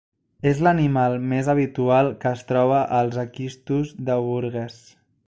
És l'animal més habitual que es troba als Esquistos de Burgess.